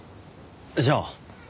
じゃあ。